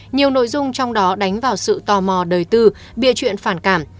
nhiều nội dung trong đó đánh vào sự tò mò đời tư bia chuyện phản cảm